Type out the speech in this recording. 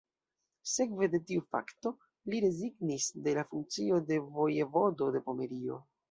Sekve de tiu fakto li rezignis de la funkcio de Vojevodo de Pomerio.